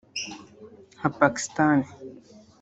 nka pakisitani